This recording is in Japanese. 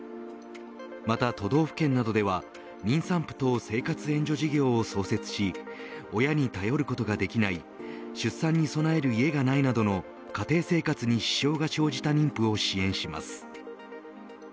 また都道府県などでは妊産婦等生活援助事業を創設し親に頼ることができない出産に備える家がないなどの家庭生活に支障が生じた妊婦を支援します。